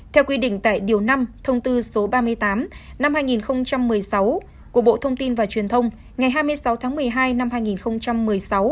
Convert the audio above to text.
theo quy định tại điều năm thông tư số ba mươi tám năm hai nghìn một mươi sáu của bộ thông tin và truyền thông ngày hai mươi sáu tháng một mươi hai năm hai nghìn một mươi sáu